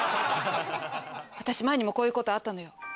私前にもこういうことあったのよ。